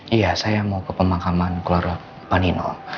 iya saya mau ke pemakaman keluarga panino